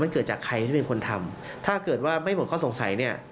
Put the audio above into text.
มันเกิดจากใครที่เป็นคนทำถ้าเกิดว่าไม่หมดข้อสงสัยเนี่ย